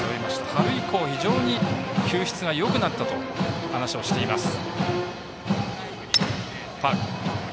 春以降、非常に球質がよくなったと話しています。